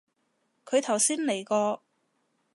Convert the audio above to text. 佢頭先嚟過